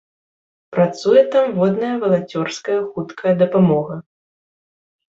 Працуе там водная валанцёрская хуткая дапамога.